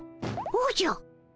おじゃ！